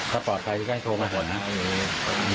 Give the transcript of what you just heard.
ถ้าปลอดภัยก็ได้โทรมาหา